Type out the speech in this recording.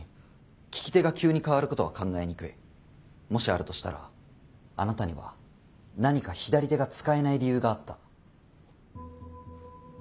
もしあるとしたらあなたには何か左手が使えない理由があった。